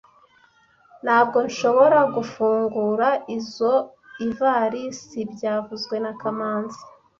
Ntabwo nshobora gufungura izoivalisi byavuzwe na kamanzi